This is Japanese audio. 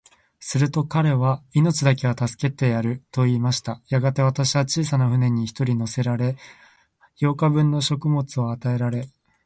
すると彼は、命だけは助けてやる、と言いました。やがて、私は小さな舟に一人乗せられ、八日分の食物を与えられ、